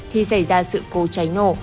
thì xảy ra sự cố cháy nổ